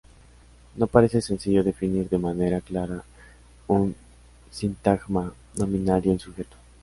No parece sencillo definir de manera clara un sintagma nominal y un sujeto.